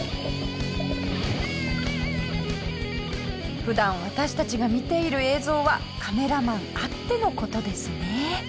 普段私たちが見ている映像はカメラマンあっての事ですね。